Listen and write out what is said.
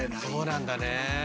そうなんだね。